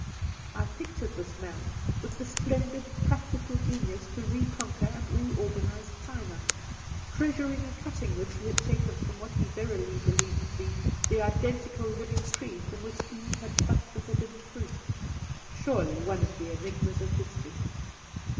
I pictured this man, with the splendid practical genius to reconqu^and reorganize China, treasuring a cutting which he had taken from what he verily believed to be the identical living tree from which Eve had plucked the forbidden fruit. Surely, one of the enigmas of history